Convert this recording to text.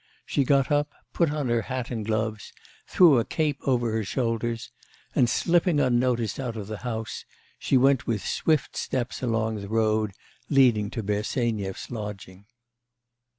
She got up, put on her hat and gloves, threw a cape over her shoulders, and, slipping unnoticed out of the house, she went with swift steps along the road leading to Bersenyev's lodging.